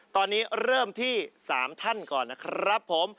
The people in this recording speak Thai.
ตอนนี้เริ่มที่๓ท่านก่อนนะครับผม